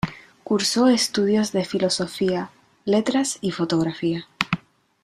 Cursó estudios de filosofía, letras y fotografía.